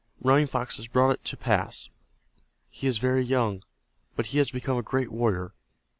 Running Fox has brought it to pass. He is very young, but he has become a great warrior.